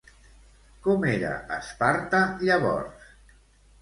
Com era Esparta llavors?